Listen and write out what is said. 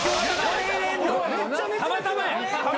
たまたまや。